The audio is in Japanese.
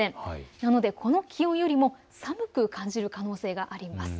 なのでこの気温よりも寒く感じる可能性があります。